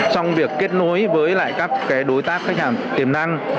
trong việc kết nối với lại các đối tác khách hàng tiềm năng